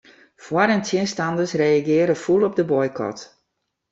Foar- en tsjinstanners reagearje fûl op de boykot.